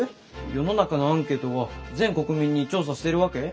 世の中のアンケートは全国民に調査してるわけ？